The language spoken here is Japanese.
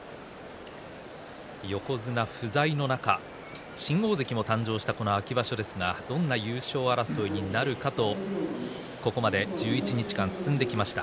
横綱不在の中、新大関も誕生したこの秋場所ですがどんな優勝争いになるかとここまで１１日間進んできました。